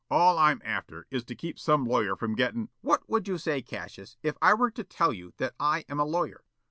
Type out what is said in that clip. All I'm after, is to keep some lawyer from gettin' " "What would you say, Cassius, if I were to tell you that I am a lawyer?"